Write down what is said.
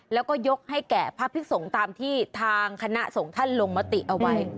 แล้วก็ยกให้แก่พระภิกษงตามที่ทางคณะสงฆ์ท่านลงมติเอาไว้